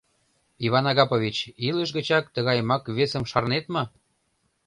— Иван Агапович, илыш гычак тыгайымак весым шарнет мо?